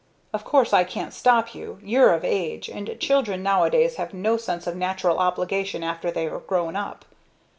Of course I can't stop you! You're of age, and children nowadays have no sense of natural obligation after they're grown up.